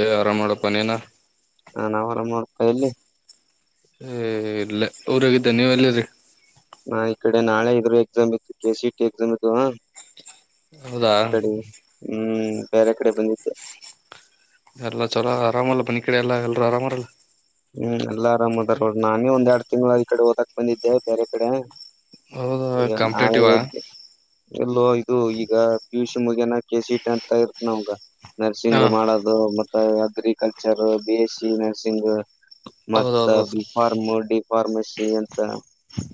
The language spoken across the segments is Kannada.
ಯ ಆರಾಮ್ ಮಾಡಪ್ಪ ನೀನ. ಹಾ ನಾವ್ ಆರಾಮ್ ನರು ರೂಪಾಯಲ್ಲಿ. ಇಲ್ಲ ಊರಾಗಿದ್ದೇ ನೀವ ಎಲ್ಲಿರಿ. ನಾ ಈ ಕಡೆ ನಾಳೆ ಇದ್ರು ಎಕ್ಸಾಮ್ ಇತ್ತು ಕೆ ಸಿ ಟಿ ಎಕ್ಸಾಮ್ ಇದುವ. ಹೌದಾ ಹ್ಮ್ ಬೇರೆ ಕಡೆ ಬಂದಿದ್ದೆ ಎಲ್ಲಾ ಚಲ ಆರಾಮಲ್ಲ ಬನ ಕಡೆ ಎಲ್ಲಾ ಎಲ್ರೂ ಆರಾಮಾರಲ್ಲ ಹ್ಮ್ ಎಲ್ಲಾ ಆರಾಮ್ದಾರ ನಾನೇ ಒಂದ್ ಎರಡ್ ತಿಂಗ್ಗಳ ಈ ಕಡೆ ಓದಕ್ ಬಂದಿದ್ದೆ ಬೇರೆ ಕಡೆ ಹೌದಾ ಈಗ ಕಾಂಪಿಟೇಟಿವ್ ನಾಳೆ ಎಲ್ಲೋ ಇದು ಈಗ ಪಿಯೂಷ್ ಮುಗೆನ್ ಕೆ ಸಿ ಟಿ ಅಂತ ಇರ್ತ್ದ ನಮ್ಗ ಹಾ ನರ್ಸಿಂಗ್ ಮಾಡೋದು ಮ agriculture B S C nursing ಮತ್ತ ಹೌದೌದೌದು ಬಿಹಾರ್ ಮೋಡಿ ಫಾರ್ಮಸಿ ಅಂತ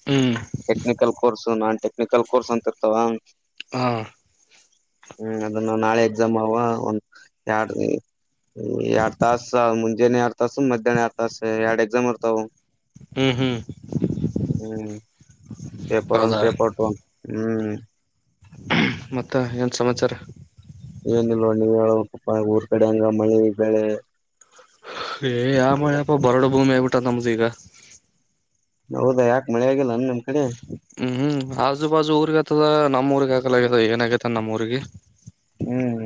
ಹ್ಮ್ technical course non technical course ಅಂತ ಇರ್ತವ ಹಾ ಹ್ಮ್ ಅದನ್ನ ನಾಳೆ ಎಕ್ಸಾಮ್ ಅವ ಒಂದ ಎರಡ್ ತಾಸ ಮುಂಜಾನೆ ಎರ ತಾಸ ಮಧ್ಯಾಹ್ನ ಆರ ತಾಸ ಎರಡ್ ಎಕ್ಸಾಮ್ ಇರ್ತಾವ ಹ್ಮ್ ಹ್ಮ್ ಹ್ಮ್ ಪೇಪರ್ ಒನ್ ಹೌದಾ ಪೇಪರ್ ಟು ಅಂಥ ಹ್ಮ್ ಮತ್ತು ಏನು ಸಮಾಚಾರ ಏನಿಲ್ವಾ ನೀವು ಹೇಳ ಪಪ್ಪ ಊರ್ ಕಡೆ ಹಂಗ ಮಳಿ ಬೆಳೆ ಏ ಯಾವ ಮಳೆ ಯಪ ಬರಡು ಭೂಮಿ ಆಗ್ಬಿಟ್ಟ ನಮ್ದ ಈಗ ಹೌದಾ ಯಾಕ ಮಳೆ ಆಗಿಲ್ಲ ನಿಮ್ ಕಡೆ ಹ್ಮ್ ಹ್ಮ್ ಆಜು ಬಾಜು ಊರ್ಗ್ ಆತದ ನಮ್ಮ ಊರ್ಗ್ ಅಗಲ್ ಆಗ್ಯದ ಏನ ಆಗೇತ ನಮ್ಮ ಊರ್ರಿಗೆ ಹ್ಮ್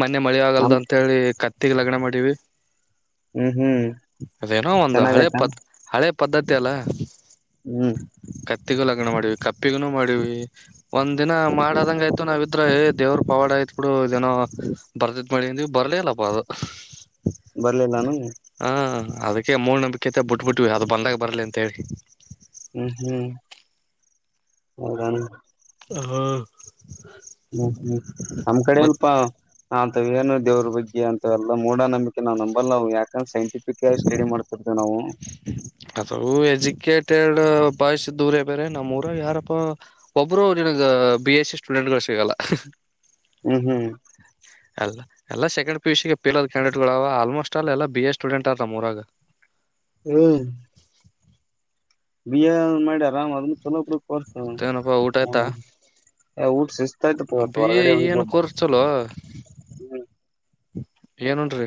ಮೊನ್ನೆ ಮಳಿ ನಮ ಆಗಲ್ದ ಅಂತ ಹೇಳಿ ಕ ತಿಗಿ ಲಗಣ ಮಾಡವಿ ಹ್ಮ್ ಹ್ಮ್ ಅದೇನೋ ಒಂದು ಹಳೆ ಚೆನ್ನಾಗಯ್ತಾನ ಪತ್ ಹಳೆ ಪದ್ಧತಿಯಲ್ಲ ಹ್ಮ್ ತ್ತಿಗೂ ಲಗ್ನ ಮಾಡೀವಿ ಕಪ್ಪಿಗೂ ಮಾಡೀವಿ ಒಂದ ದಿನ ಮಾಡದಂಗ ಆಯ್ತು ನಾವವುದ್ರೆ ದೇವ್ರರು ಪವಾಡ ಆಯ್ತ ಬಿಡು ಇದನೋ ಬರ್ದತ್ ಮಳಿ ನೀವು ಬರ್ಲ ಇಲ್ಲಪ್ಪ ಅದು ಬರ್ಲಿಲ್ಲಾನ ಹ ಅದಕ್ಕೆ ಮೂಡ ನಂಬಿಕೆತೆ ಬಿಟ್ಬ ಬಿಟ್ವಿ ಅದು ಬಂದಾಗ ಬರಲಿ ಅಂತ ಹೇಳಿ ಹ್ಮ್ ಹ್ಮ್ ಹೌದೆನ್ ಹ ಹ್ಮ್ ಹ್ಮ್ ನಮ್ ಕಡೆ ಮತ್ ಅಲ್ಪ ಆತ ಏನು ದೇವ್ರ ಬಗ್ಗೆ ಅಂತ ಎಲ್ಲ ಮೂಡ ನಂಬಿಕೆ ನಾವು ನಂಬಲ್ಲವು ಯಾಕಂದ್ರ ಸೈನ್ ಸೈಂಟಿಫಿಕ್ ಆಗಿ ಸ್ಟಡಿ ಮಾಡ್ತಿರ್ತೇವಿ ಅದು ಎಜುಕೇಟೆಡ್ ಬಾಯಸಿದ್ದೂರೇ ಬೇರೆ ನಮ್ಮೂರ ಯಾರಪ್ಪಾ ಒಬ್ರು ನನ್ಗ್ ಬಿ ಎಸ್ ಸಿ ಸ್ಟೂಡೆಂಟ್ ಗಳು ಸಿಗಲ್ಲ ಹ್ಮ್ ಹ್ಮ್ ಎಲ್ಲ ಎಲ್ಲ second P U C fail candidate almost ಅ ಎಲ್ಲ ಬಿ ಎ ಸ್ಟೂಡೆಂಟ್ ಅ ಮೂರಾಗ ಹ್ಮ್ ಬಿಿಯ ಮಾಡ್ಯ ಾಮ್ ಅದ್ ಚಲೋ ಕೋರ್ಸ ಮತ್ತೇನಪ್ಪಾ ಊಟ ಆಯ್ತಾ ಊಟ ಸುಸ್ತಾಯತ್ ಪ ಬಿ ಎ ಹೊರಗಡೆ ಹೋಗಿದ್ದ ಏನ್ ಹ್ಮ ಕೋರ್ಸ್ ಚಲೋ ಏನೂನ್ರಿ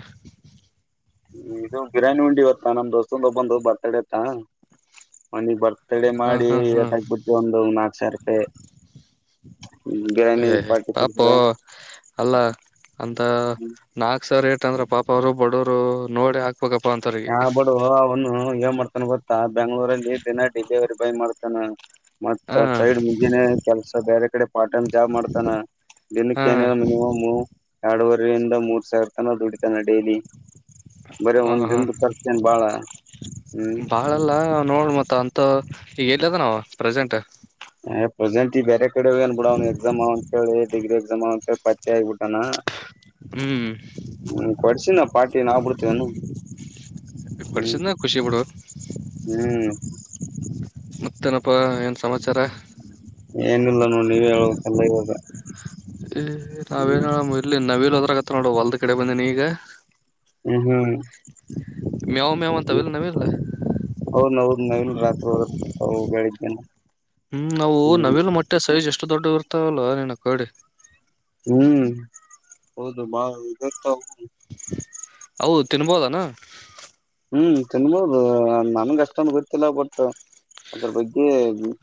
್ಮ ಇದು ಬಿರಿ್ಯಾನಿ ಉಂಡಿವತ್ತ ನಮ್ ದೋಸ್ತಂದ ಒಬ್ಬವಂದ ಬರ್ತಡ ಇತ್ತ ಅವನೀಗ ತಡೆ ಹ ಹಾ ಹಾ ಮಾಡಿಟಕ ಬಿಿಡ್ವಿ ಒಂದು ನಾಲ್ಕ ಸಾವಿರ ರೂಪಾಯಿ ಬಿರಿ್ಯಾನಿ ಏ ಪಾರ್ಟಿ ಕೊಡಿಸಿದ ಪಾಪೋ ಅಲ್ಲ ಹ್ಮ ಇಂದ್ರ ಪಾಪ ಅವರು ಬಡವರು ನೋಡಿ ಹಾ ಯಾ ಬಡು ಅವನು ಯಏ ಮಾಡ್ತಾನ ಗೊತ್ತ ಆ ಬೆಂಗ್ಳೂರಲ್ಲಿ ದಿನ ಡಿಲಿವರಿ ಬಾಯ್ ಮಾಡ್ತೇನೆ ನಾನು ಹ ಮತ್ತ ಸೈಡ್ ಮುಂಜಾನೆ ಕೆಲ್ಸ ಬೇರೆ ಕಡೆ ಪಾರ್ಟ್ ಟೈಮ್ ಜಾಬ್ ಮಾಡ್ತಾನ ಹಾ ದಿನಕ್ಕೆ ಏನಿಲ್ಲ ಮಿನಿಮಮ್ ಎರಡುವರೆ ಂದ ಮೂರ್ ಸಾವಿರ ತನ ದುಡಿ ಡೈಲಿ ಬರೇ ಹ ಹ ಒಂದಿನದ ಕರ್ತೇನೆ ಬಾಳ ಹ್ಮ್ ನೋಡ ಮತ್ತ ಅಂತ ಈಗ ಎಲ್ ಅದ ನಾವು ಪ್ರೆಸೆಂಟ್ ಅ್ ಪ್ರೆಟ್ ಬೇರೆ ಕಡೆ ಅನ್ಬಿಡ ಅವ್ನು ಎಕ್ಸಾಮ್ಂತೇಳಿ ಡಿಗ್ರಿ ಎಕ್ಸಾಮ್ ಅವ ಅಂತೇಳಿ ಪತ್ತೆ ಆಗಿಬಿಟ್ಟಾನ ಹ್ಮ್ ಹ್ಮ್ ಕೊಡ್ಸಿನ ಪಾರ್ಟಿ ನ ಆಗ್ಬಿಡ್ತಿದಾನು ಹ್ಮ್ ಪಡ್ಸಿದ್ನ ಖುಷಿ ಬಿಡು ಹ್ಮ್ ಮತ್ತೇನಪ್ಪಾ ಏನ ಸಮಾಚಾರ ಏನಿಲ್ಲ ನೋ ನೀವ ಹೇಳಲ್ಲ ಇವಾಗ [inaudible] ಹ್ಮ್ [unintelligible] ನಾವ್ ಇಲ್ ಹೋದ್ರಾಗತ್ತ ನೋಡು ಹೊಲ್ದ್ ಕಡೆ ಬಂದೇಿನಿ ಈಗ ಹ್ಮ ಹ್ಮ್ [inaudible] ಮ್ಯವು್ ಮ್ಯಾವ್ ಅಂತವೆಲ್ಲ ನಾವ ಇಲ್ಲ ಇಲ್ ರಾತ್ರಿ ಹೋದ್ರ ಕೊರ್ತ ಬೆಳಗ್ಗೆನೇ ಹ್ಮ್ ನಾವು ನವಿಲು ಮೊಟ್ಟೆ ಸೈಜ ಎಷ್ಟು ಅಷ್ಟು ದೊಡ್ಡ ಇರ್ತಾವಲ್ಲ ನೀನ ಕೋಡಿ ಹ್ಮ್ ಹೌದು ಬಹಳ ಉದ್ದ ಇರ್ತವೆ ಹೌ ತಿನ್ಬೋದನಾ ಹ್ಮ್ ತಿನ್ಬೋದು ನನ್ಗ ಅಷ್ಟೊಂದು ಗೊತ್ತಿಲ್ಲ ಬಟ್ ಅದ್ರ ಬಗ್ಗೆ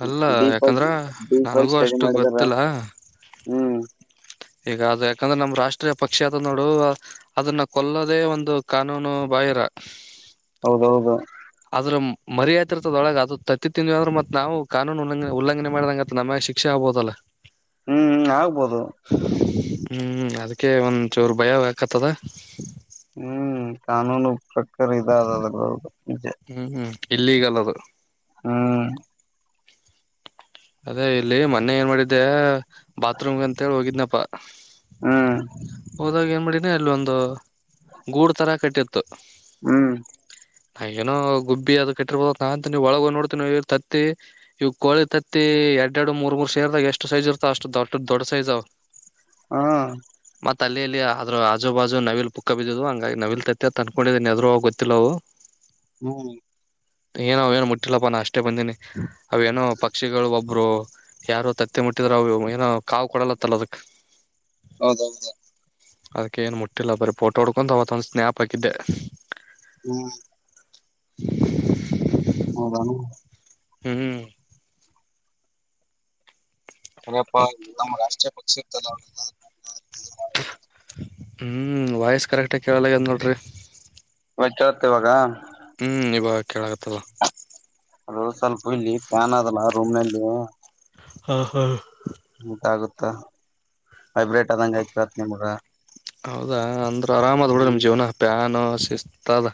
ಅಲ್ಲ ಡೀಪ್ ಯಾಕಂದ್ರ ಆಗಿ ಡೀಪ್ ಆಗಿ ನನಗೂ ಸ್ಟಡಿ ಅಷ್ಟು ಮಾಡಿದಾರ ಗೊತ್ತಿಲ್ಲ ಹ್ಮ್ ಈಗ ಅದ ಯಾಕಂದ್ರೆ ನಮ ರಾಷ್ಟ್ರೀಯ ಪಕ್ಷ ಅತ ನೋಡು ಅದನ್ನ ಕೊಲ್ಲದೇ ಒಂದು ಕಾನೂನು ಬಾಹಿರ ಹೌದೌದು ಆದ್ರ ಮರ್ಯಯಾತಿ ಇರ್ತದೊಳಗೆ ಅದದು ತತ್ತಿ ತಿಂದನ್ವಿ ಆದ್ರರು ಮತ್ ನಾವು ಕಾನೂನು ಉಲ್ಲಂಘನೆ ಉಲ್ಲಂಘನೆ ಮಾಡಿದಂಗಂತ ನಮ್ಯಾಗ ಶಿಕ್ಷೆ ಆಗಬಹುದಲ್ಲ ಹ್ಮ್ ಆಗ್ಬೋದು ಹ್ಮ್ ಅದಕ್ಕೆ ಒಂದ ಚೋರು ಭಯಬೇಕಕ್ತ್ತದ ಹ್ಮ್ ಕಾನೂನು ಸರಿ ಇದ ಅದ್ರ ನಿಜೆ ಹ್ಮ್ ಹ್ಮ್ ಇಲ್ಲಿಗಲ್ಲದು ಹ್ಮ ಅದೇ ಇಲ್ಲಿ ಮೊನ್ನೆ ಏನ್ ಮಾಡಿದ್ದೆ ಬಾತ್ರೂಮ್ ಅಂತ ಹೇಳಿ ಹೋಗಿದ್ನಪ್ಪ ಹ್ಮ್ ಹೋದಾಗ ಏನ್ಬಿಡಿನ ಅಲ್ಲ ಒಂದು ಗೂಡು ಥರ ಕಟ್ಟಿತ್ತು ಹ್ಮ್ ನಾ ಏನೋ ಗುಬ್ಬಿ ಅ ಕಟ್ಟಿರ್ಬೋದ ನಾಂತ ನೀವು ಒಳಗ ನೋಡ್ತೀ ಇವ ತತ್ತಿ ಇವ ಕೋಳಿ ತತ್ತಿ ಮತ್ತೆ ಎರಡ್ ಎರಡು ಮೂರ್ ಮೂರ್ ಸೇರ್ದಾಗ ಎಷ್ಟು ಸೈಜ್ ಇರ್ತಾವ ಅಷ್ಟ ದಡ್ಡ ದೊಡ್ ಸೈಜ್ ಅವ ಹಾ ಮತ್ತ ಅಲ್ಲಿಯಲ್ಲಿ ಅ ಆದ್ರರು ಆಜುಬಾಜು ನವಿಲ್ ಪುಕ್ಕ ಬಿದ್ದಿದುದು ಹಂಗಾಗಿ ನವಿಲ್ ತತ್ತ ತಂದ್ಕೊಂಡಿದ್ದ ಎದುರುದು ಗೊತ್ತಿಲ್ಲ ಅವು ಹ್ಮ್ ಏನ ಏನೋ ಮುಟ್ಟಿಲ್ಲ ನಾ ಅಷ್ಟೇ ಬಂದೀನಿ ಅವೇನೋ ಪಕ್ಕ ಪಕ್ಷಿಗಳು ಒಬ್ರು ಯಾರೋ ತತ್ತಿ ಮುಟ್ಟಿದ್ರ ಏನೋ ಕಾವೂ ಕೊಡಲತ್ತಲ್ಲ ಅದಕ್ ಹೌದೌದು ಅದಕ್ಕೆೇಏನು ಮುಟ್ಟಿಲ್ಲ ಬರೀ ಫೋಟೋ ಹೊಡ್ಕೊಂಡು ಅವತ್ತ ಒಂದು ಸ್ನ್ಯಾಪ್ ಹಾಕಿದ್ದೆ ಹ್ಮ ಹೂ ಹೂ ಹೌದಾನ ಹ್ಮ್ ಹ್ಮ ಅದೇ ಅಪ್ಪ ನಮ್ಮ ರಾಷ್ಟ್ರೀಯ ಪಕ್ಷಿ ಶ [unintelligible] ಹ್ಮ್ ವಾಯ್ಸ್ ಕರೆಕ್ಟಾಗಿ ಕೇಳಲಗದ್ ನೋಡ್ರಿ ಮಚ್ಚತ್ತ ಇವಾಗ ಹ್ಮ್ ಇವಾಗ ಕೇಳಕತ್ತಲ್ಲ ಅ ಸ್ವಲ್ಪ ಇಲ್ಲಿ ಫ್ಯಾನ್ ಅದಲ್ಲ ರೂಮ್ ನಲ್ಲಿ ಹಾ ಹಾ ತ್ತ ವೈಬ್ರೇಟ್ ಆದಂಗೆ ಆಯಕವತ್ ನಿಮಗ ಹೌದಾ ಅಂದ್ರೆ ಆರಾಮ್ ಆದ್ ಬಿಡ್ರ ನಮ ಹ್ಮ್ ಜವನ ಪ್ಯಾನ್ ಶಿಸ್ತು ಆದ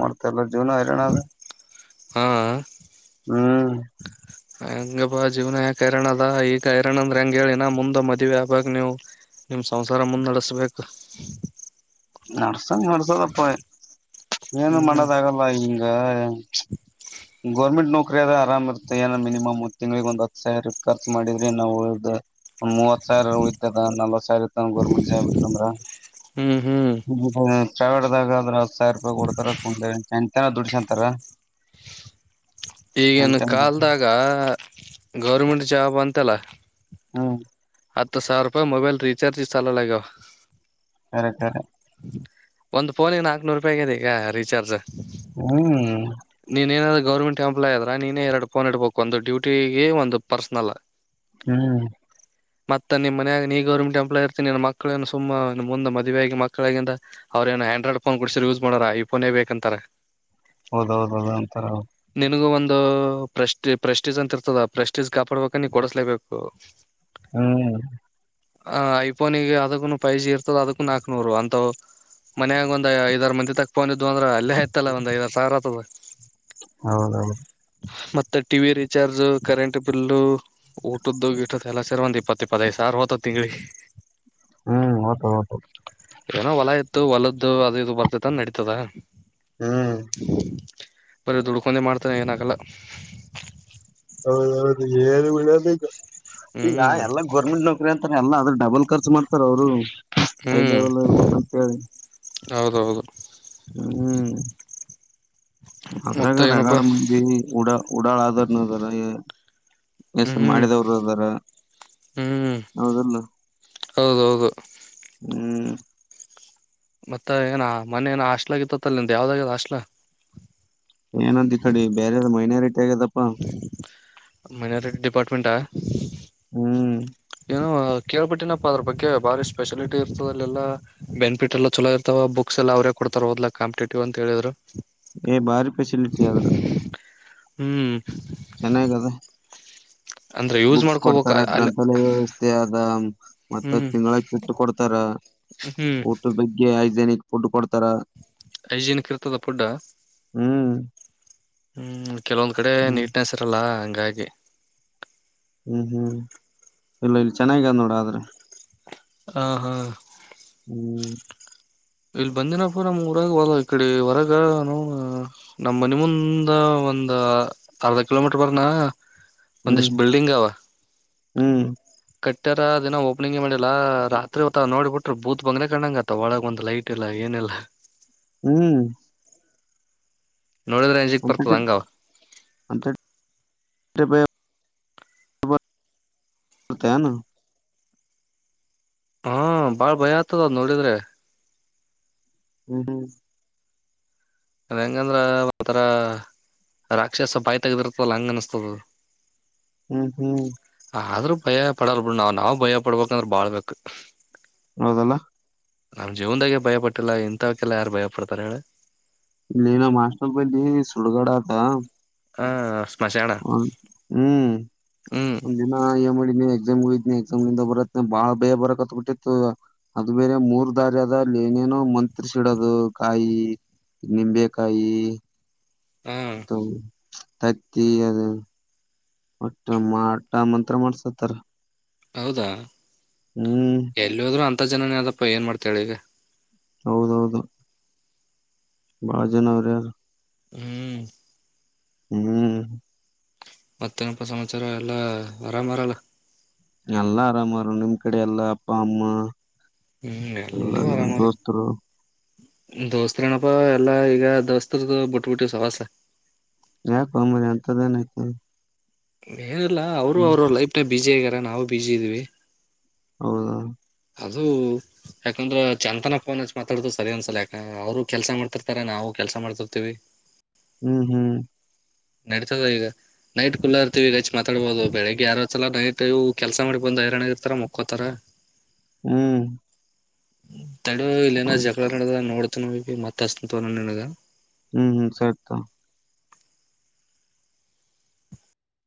ಮಾಡ್ತಲ್ಲ ಜೂನು ವರಣ ಅದು ಹಾ ಹ್ಮ್ ಹೆಂಗ ಬಾ ಜೀವನ ಯಾಕ ಹೈರಣ ಅದ ಈಗ ಹೈರಣ ಅಂದ್ರೆ ಹೆಂಗ ಹೇಳಿನ ಮುಂದ ಮದುವೆ ಆಗ ನೀವು ನಿಮ್ ಸಂಸಾರ ಮುಂದ್ ನಡೆಸ್ಬೇಕು ನಡಸ್ತಿ ಸಂಗ್ ಮಾಡಡ್ಸೋದಪ್ಪ ಏನು ಹ್ಮ್ ಮಾಡೋದ ಆಗಲ್ಲ ಹಿಂಗ ಗೌರ್ಮೆಂಟ್ ನೌಕರಿ ಆದ ಆರಾಮ ಇರ್ತ್ತೆ ಏನ ಮಿನಿಮಮ್ ಒ ತಿಂಗ್ಳಗ್ ಒಂದ ಹತ್ತು ಸಾವಿರ ಖರ್ಚ ಮಾಡಿದ್ರೆ ನಾವುದ ಮೂವತ್ ಸಾವಿರ ಹಯ್ತದ ನಲ್ವತ್ ಸಾವಿರ ಇತ್ತ ಗೋರ್ಮೆಂಟ್ ಜಾಬ್ ಇತ್ತಂದ್ರ ಹ್ಮ್ ಹ್ಮ್ ಹ್ಮ ಹ್ಮ ಹ್ಮ ಹ್ಮ [unintelligible] ಸಾವಿರ ರೂಪಾಯಿ ಕೊಡ್ತರ [unintelligible] ನ ದುಡ್ಸಂತಾರ ಈಗನ್ ಚಂತನ ಕಲ್ದಾಗ ಗೌರ್ಮೆಂಟ್ ಜಾಬ್ ಅಂತ ಇತಲ್ಲ ಹ್ಮ ಹತ್ತು ಸಾವಿರ ರೂಪಾಯಿ ಮೊಬೈಲ್ ರೀಚಾರ್ಜ್ [unintelligible] ಅರಿ ಸರಿ ಒಂದು ಫೋನಿಗೆ ನಾಕ್ನೂರು ರೂಪಾಯಗದೆ ಈಗ ರೀಚಾರ್ಜ್ ಹ್ಮ್ ನೀನ್ ಏನಾದ್ರೂ ಗೌರ್ಮೆಂಟ್ ಎಂಪ್ಲಾಯ್ ಅದ್ರ ನೀನೇ ಎರಡು ಫೋನ್ ಇಡ್ಬೇಕು ಒಂದು ಡೂಟಿಗೆ ಒಂದು ಪರ್ಸ್ನಲ್ ಹ್ಮ್ ಮತ್ತ ನಿಮ್ಮ ಮನ್ಯೆಯಾಗ ನೀ ಗೌರ್ಮೆಂಟ್ ಎಂಪ್ಲಾಯಿ ಇರ್ತೀನಿ ನನ್ನ ಮಕ್ಕ್ಕಳೇಏನು ಸುಮ್ಮಮ್ಮ ಮುಂದ ಮದುವೆಯಾಗಿ ಮಕ್ಕಳಗಂದ ಅವ್ರೇಏನ ಆಂಡ್ರಾಯ್ಡ್ ಫೋನ್ ಕುಡಸಿದ್ರ ಯೂಸ್ ಮಾಡಾರ ಐ ಫೋನೇ ಬೇಕ ಅಂತಾರ ಹೌದೌದೌದು ಅಂತರ ನಿನಗೂ ಒಂದು ಪ್ರೆಸ್ಟ ಪ್ರೆಸ್ಟೀಜ್ ಅಂತ ಇರ್ತದ ಪ್ರೆಸ್ಟೀಜ್ ಕಾಪಾಡ್ಬೇಕ ನೀ ಕೊಡಸ್ಲೇಬೇಕು ಹ್ಮ್ ಆ ಐಫೋನಿಗೆ ಅದಕ್ಕೂ ಫೈಜಿ ಇರ್ತದ ಅದಕ್ಕೂ ನಾಕಕ್ನೂರು ಅಂತ್ ಮನ್ಯಾಗ ಒಂದ್ ಐದಾರು ಮಂದಿ ತಕ್ತ ಫೋನ್ ಇತ್ತು ಇದ್ ಅಂದ್ರೆ ಅಲ್ಲೇ ಎತ್ತಲ್ಲ ಒಂದ ಐದ [unintelligible] ಆತದ ಹೌದೌದು ಮತ್ತೆ T V recharge current bill ಊಟದ್ದ ಇಟ್ಟತ್ ಎಲ್ಲಾ ಸರಿ ಒಂದ್ ಇಪ್ಪತ್ತು ಇಪ್ಪತ್ತೈದು ಸಾವಿರ ಹೋತತಿ ತಿಂಗಳಿಗೆ ಹ್ಮ್ ಓತ ಓತ ಏನೋ ಹೊಲ ಇತ್ತು ಹೊಲದ್ದ ಇದು ಅದು ಇದು ಬರ್ತದ ನಡೀತದ ಹ್ಮ್ ಬರೀ ದುಡ್ಕೊಂಡೆ ಮಾಡ್ತಾನ ಏನಾಗಲ್ಲ ಹೌದೌದು [unintelligible] ಈಗ ಹ್ಮ್ ಎಲ್ಲ ಗೋರ್ಮೆಂಟ್ ನೌಕರಿ ಅಂತಾರೆ ಎಲ್ಲ ಆದ್ರ ಡಬಲ್ ಖರ್ಚು ಮಾಡತ ಅವ್ರು ಹೈ ಹ್ಮ್ ಲೆವೆಲ್ ಇರ್ಬೇಕಂತ ಹ್ಮ ಹೌದೌದು ಹ್ಮ್ ಅದ್ರಾಗ ಮತ್ತ ರಗಡ ಏನಪ್ಪಾ ಮಂದಿ ಊಡ ಉಡಾಳ ಆದ್ರನು ಅದಾರ ಹೆಸರು ಹ್ಮ್ ಮಾಡಿದವರು ಅದಾರ ಹ್ಮ್ ಹೌದಲ್ಲ ಹೌದೌದು ಹ್ಮ್ ಮತ್ತ ಏನ ಮನೇನ ಹಾಸ್ಲ ಆಗ ಇತ್ತತ್ತಲ್ಲ ನಿಂದ ಯಾವ್ದಾಗ ಅದ ಹಾಸ್ಟ ಏನಂದ ಈ ಕಡೆ ಬೇರೆ ಮೈನ ಮೈನಾರಟಿ ಡಿಪಾರ್ಟ್ಮೆಂಟ್ ಆ ಹ ಹ್ಮ್ ಕೇಳ್ಬಟ್ಟನಪ್ಪಾ ಅದ್ರ ಬಗ್ಗೆ ಭಾರಿ ಸ್ಪೆಷಲಿಟಿ ಇರ್ತದೆಲ್ಲೆಲ್ಲ ಬೆನಿಫಿಟ್ ಎಲ್ಲ ಚಲ ಇರ್ತವ ಬುಕ್ ಎಲ್ಲ ಅವ್ರೇ ಕೊಡ್ತಾರೆೋದಾ ಕಂಪಿಟೇಟಿವ್ ಅಂತ ಹೇಳಿದ್ರು ಏ ಭಾರಿ ಫೆಸಿಲಿಟಿ ಆದ್ರ ಹ್ಮ್ ಚೆನ್ನಾಗದ ಅಂದ್ರೆ ಯೂಸ್ ಬುಕ್ಸ್ ಮಾಡ್ಕೋಬೇಕ ಕೊಡ್ತಾರ ಅಲ್ಲ ಗ್ರಂಥಾಲಯ ವ್ಯವಸ್ಥೆ ಅದ ಮತ್ತ ಹ್ಮ್ ತಿಂಗಳ ಕೆಟ್ಟ ಕೊಡ್ತಾರ ಹ್ಮ್ ಊಟದ ಬಗ್ಗೆ ಜನಿಗೆ ಫುಡ್ ಕೊಡ್ತಾರ ಐಜನಕ್ ರೃತದ ಫುಡ್ಡ ಹ್ಮ್ ಹ್ಮ್ ಕೆಲವೊಂದ ಕಡೆ ಚೆನ್ನಾಗ್- ನೀಟ್ನೆಸ್ ಇರಲ್ಲ ಇದಾಗಿೆ ಹ್ಮ್ ಹ್ಮ್ ಇಲ್ಲ ಇಲ್ಲಿ ಚೆನ್ನಾಗ್ ನೋಡ ಆದ್ರೆ ಹ ಹಾ ಹ್ಮ್ ಇಲ್ ಬಂದನಪ್ಪು ನಮ್ ಊರಾಗ ಹೋದ ಇಕಡೆ ಹೊರಗ ನಮ್ ಮನ ಮುಂದ ಒಂದ್ ಅರ್ಧ ಕಿಲೋಮೀಟರ್ ಬರನ ಹ್ಮ್ ಒಂದಿಷ್ಟು ಬಿಲ್ಡಿಂಗ್ ಅವವಾ ಹ್ಮ್ ಕಟ್ಟ್ಯರ ದಿನ ಓಪನಿಂಗ್ ಮಾಡಿಲ್ಲಾ ರಾತ್ರಿ ಹೊತ್ತ ನೋಡಿಬಿಟ್ರರು ಬೂತ್ ಬಂಗನೆ ಕಣಂಗತ್ತ ಒಳಗ ಒಂದು ಲೈಟ್ ಇಲ್ಲ ಏನಿಲ್ಲ ಹ್ಮ್ ನೋಡಿದ್ರೆ ಅಂಜಿಕ್ ಬರ್ತದ ಅಂತಟಿ ಹಂಗವ ಪ ಹಾ ಬಾಳ್ ಭಯ ಆಗ್ತದ ಅದ್ ನೋಡಿದ್ರೆ ಎಡು ಅ ಹೆಂಗಂದ್ರ ಒತರ ರಾಕ್ಷಸ ಬಾಯಿ ತೆಗ್ದಿರ್ತಲ್ಲ ಹಂಗ ಅನಸ್ತದ ಹ್ಮ್ ಹ್ಮ್ ಆದ್ರೂ ಭಯ ಪಡಲ್ ಬಿ ನಾವ್ ನಾವ್ ಭಯ ಪಡ್ಬೇಕಂದ್ರ ಬಾಳ್ಬೇಕು ಹೌದಲ್ಲ ನಮ್ ಜೀವನ್ದಾಗೆ ಭಯ ಪಟ್ಟಿಲ್ಲ ಇಂಥವಕೆಲ್ಲ ಯಾರು ಭಯ ಪಡ್ತಾರ ಹೇಳ ನನ ಮಾಸ್ನ ಪಲ್ಲಿ ಸುಡಗಡಾತ ಹಾ ಹ ಹ್ಮ್ ಹ್ಮ್ ಒಂದ ದಿನ ಯ ಮಾಡಿನ ಎಕ್ಸಾಮ್ ಹಯ ಎಕ್ಸಾಮ್ಿಂದ ಬರತ್ನ ಬಾಳ ಭಯ ಬರಕತ್ ಬಿಿಟ್ಟಿತ್ತು ಅದು ಬೇರೆ ಮೂರ್ ದಾರಿ ಆದದಲ್ಲಿ ಏನೇನೋ ಮಂತ್ರ್ಸಿಡೋದು ಕಾಯಿ ನಿಂಬೆಕಾಯಿ ಹಾ ತೌ ೈತಿ ಅದ ಮ ಮಾಟ ಮಂತ್ರತ್ರ ಮಾಡಸತಾರ ಹೌದಾ ಹ್ಮ್ ಎ ಜನ ಅದಪ್ಪಾ ಏನ್ ಮಾಡ್ತಾಳಿ ಈಗ ಹೌದೌದು ಬಾಳ ಜನಾವ್ರ ಯಾರು ಹ್ಮ್ ಹ್ಮ್ ಮತ್ತೆನಪ ಸಮಾಚಾರ ಎಲ್ಲಾ ಆರಾಮರಲ್ಲ ಎಲ್ಲಾ ಆರಾಮಾರ ನಿಮ್ ಕಡೆ ಎಲ್ಲಾ ಅಪ್ಪ ಅಮ್ಮ ಹ್ಮ್ ಎಲ್ಲ ನಿಮ್ಮ್ ದೋಸ್ತರು ದೋಸ್ತತ್ರ ಏನಪ್ಪಾ ಎಲ್ಲಾ ಈಗ ದೋಸ್ತ್ದ ಬಿಟ್ಬಿಟ್ಟ ಸವಾಸ ಯಾಕ ಅಂಬರಿ ಅಂತದ ನ ಐತೆ ಹ ಏನಿಲ್ಲ ಅವರು ಅವ್ರ ಲೈಫ್ ಟೈಮ್ ಬೀಜಿ ಹಗಾರ ನಾವು ಬಿಜ್ಜಿ ಇದೀವಿ ಹೌದಾ ಅದು ಯಾಕಂದ್ರೆ ಚಂತನ ಫೋನ್ಚ್ ಮಾತಾಡತ ಸರಿ ಒಂದ್ಸಲ ಯಾಕ ಅವರು ಕೆಲ್ಸ ಮಾಡ್ತಿರ್ತಾರೆ ನಾವು ಕೆಲ್ಸ ಮಾಡ್ತಿರ್ತಿೀವಿ ಹ್ಮ್ ಹ್ಮ್ ನಡತದ ಈಗ ನೈಟ್ ಕುಲ್ಲಾ ಇರ್ತಿವಿ ಗಚ್ ಮಾತಾಡ್ಬೋದು ಬೆಳಿಗ್ಗೆ ಯಾರ ಸಲ ನೈಟ್ ಕೆಲ್ಸ ಮಾಡಿ ಬಂದ ಹೈರಾಣ್ಯ ಇರ್ತಾರ ಮುಕ್ಕೋತಾರ ಹ್ಮ್ ತ ಇ ಏನ ಜಗಳ ನಡ ನೋ ಮತ್ತೆಷ್ಟತಂತ ನ ನಿನಗ ಹ್ಮ್ ಹ್ಮ್ ಸರಿತ